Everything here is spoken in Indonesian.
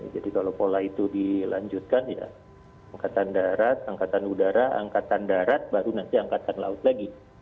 jadi kalau pola itu dilanjutkan ya angkatan darat angkatan udara angkatan darat baru nanti angkatan laut lagi